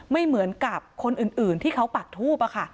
ไม่เหมือนกับคนอื่นที่เขาปักทูบ